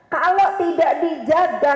kalau tidak dijaga